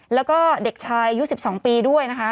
แล้วก็เด็กชายอายุ๑๒ปีด้วยนะคะ